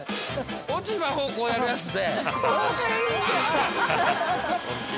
落ち葉をこうやるやつで。